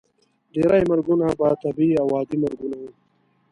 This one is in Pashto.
ډیری مرګونه به طبیعي او عادي مرګونه وو.